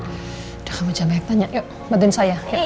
udah kamu jam banyak banyak yuk bantuin saya